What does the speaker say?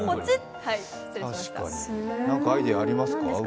何かアイデアありますか？